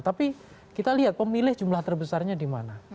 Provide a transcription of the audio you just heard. tapi kita lihat pemilih jumlah terbesarnya di mana